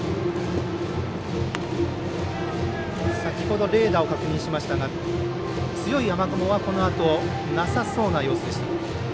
先ほどレーダーを確認しましたが強い雨雲はこのあとなさそうな様子でした。